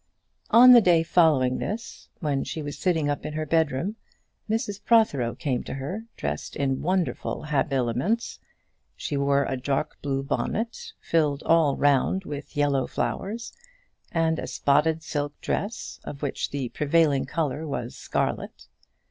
On the day following this, when she was sitting up in her bedroom, Mrs Protheroe came to her, dressed in wonderful habiliments. She wore a dark blue bonnet, filled all round with yellow flowers, and a spotted silk dress, of which the prevailing colour was scarlet.